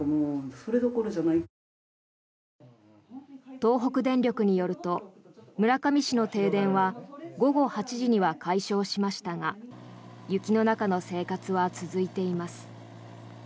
東北電力によると村上市の停電は午後８時には解消しましたが雪の中の生活は続いています。